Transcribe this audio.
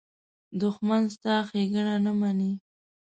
دښمن ستا ښېګڼه نه مني